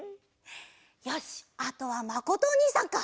よしあとはまことおにいさんか。